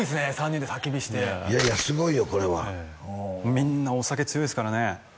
３人でたき火していやいやすごいよこれはみんなお酒強いですからね